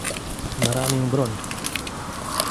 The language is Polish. "Na ramię broń!"